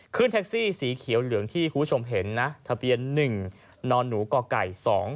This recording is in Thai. ขึ้นแท็กซี่สีเขียวเหลืองที่คุณผู้ชมเห็นนะทะเบียน๑นหนูกไก่๒๔